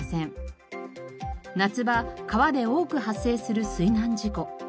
夏場川で多く発生する水難事故。